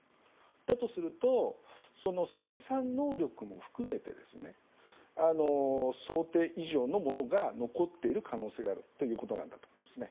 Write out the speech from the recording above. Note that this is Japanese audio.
だとするとその生産能力も含めて想定以上のものが残っている可能性があるということなんだと思います。